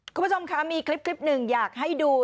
คุณผู้ชมคะมีคลิปหนึ่งอยากให้ดู